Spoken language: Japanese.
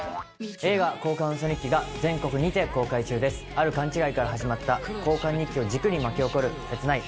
ある勘違いから始まった交換日記を軸に巻き起こる切ない